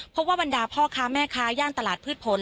บรรดาพ่อค้าแม่ค้าย่านตลาดพืชผล